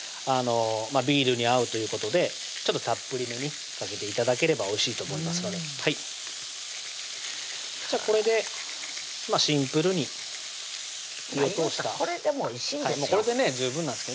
ビールに合うということでたっぷりめにかけて頂ければおいしいと思いますのでこれでシンプルに火を通したこれでもおいしいんですよ